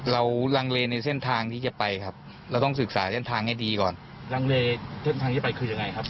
ลังเลในเส้นทางที่จะไปครับเราต้องศึกษาเส้นทางให้ดีก่อนลังเลเส้นทางที่ไปคือยังไงครับ